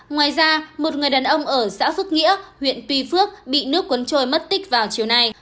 ngoài ra một người đàn ông ở xã phước nghĩa huyện tuy phước bị nước cuốn trôi mất tích vào chiều nay